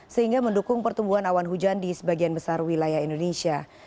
sehingga mendukung pertumbuhan awan hujan di sebagian besar wilayah indonesia